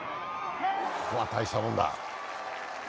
たいしたもんだ。